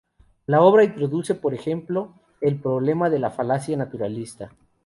La obra introduce, por ejemplo, el problema de la falacia naturalista.